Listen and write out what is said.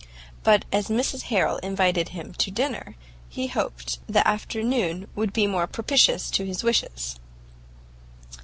But as Mrs Harrel invited him to dinner, he hoped the afternoon would be more propitious to his wishes.